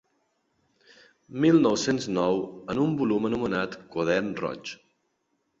Mil nou-cents nou en un volum anomenat Quadern roig.